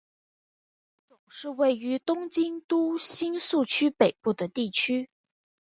户冢是位于东京都新宿区北部的地区。